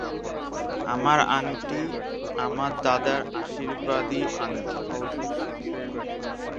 আমার আংটি– আমার দাদার আশীর্বাদী আংটি।